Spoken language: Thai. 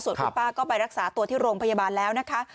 ส่วนคุณป้าก็ไปรักษาตัวที่โรงพยาบาลแล้วนะคะ